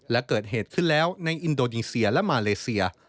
และเกิดเหตุขึ้นแล้วในอินโดนีเซียและมาเลเซีย